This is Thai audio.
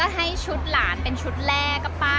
ให้ไว้ก่อนเลยค่ะค่ะ